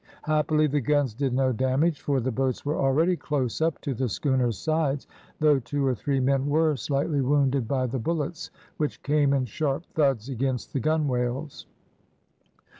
Happily the guns did no damage, for the boats were already close up to the schooner's sides, though two or three men were slightly wounded by the bullets which came in sharp thuds against the gunwales.